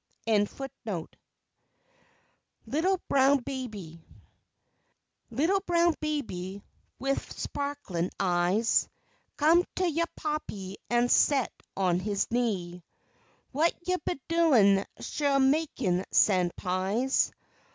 ] LITTLE BROWN BABY Little brown baby wif spa'klin' eyes, Come to yo' pappy an' set on his knee. What you been doin', suh makin' san' pies?